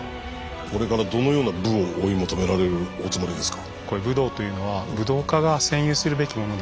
これからどのような武を追い求められるおつもりですか？